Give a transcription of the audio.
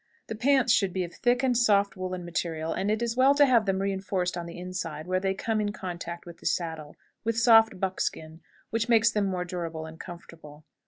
The pants should be of thick and soft woolen material, and it is well to have them re enforced on the inside, where they come in contact with the saddle, with soft buckskin, which makes them more durable and comfortable.